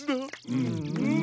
うんうん。